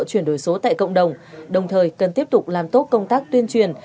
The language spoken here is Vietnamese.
chuyển đổi số tại cộng đồng đồng thời cần tiếp tục làm tốt công tác tuyên truyền